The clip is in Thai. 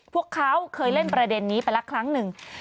พวกเขาเคยเล่นประเด็นนี้ไปละครั้งหนึ่ง